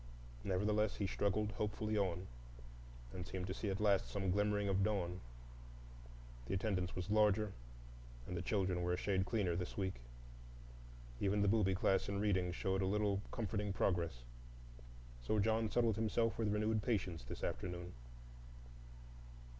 Nevertheless, he struggled hopefully on, and seemed to see at last some glimmering of dawn. The attendance was larger and the children were a shade cleaner this week. Even the booby class in reading showed a little comforting progress. So John settled himself with renewed patience this afternoon.